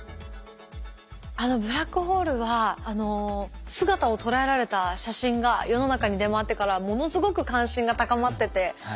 あのブラックホールは姿を捉えられた写真が世の中に出回ってからものすごく関心が高まってて。